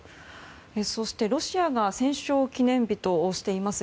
そして、ロシアが戦勝記念日としています